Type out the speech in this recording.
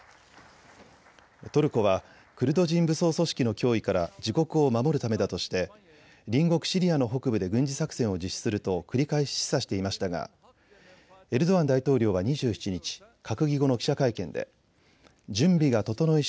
トルコはクルド人武装組織の脅威から自国を守るためだとして隣国シリアの北部で軍事作戦を実施すると繰り返し示唆していましたがエルドアン大統領は２７日、閣議後の記者会見で準備が整い